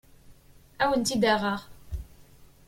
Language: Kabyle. Ad awen-tt-id-aɣeɣ.